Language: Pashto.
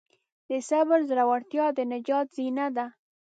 د صبر زړورتیا د نجات زینه ده.